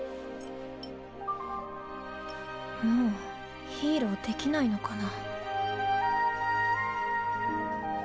もうヒーローできないのかな。